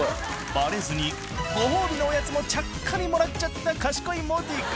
バレずにご褒美のおやつもちゃっかりもらっちゃった賢いモーティ君。